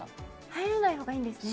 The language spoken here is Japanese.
入らないほうがいいんですね。